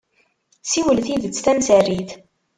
Ssiwel tidet tamsarit.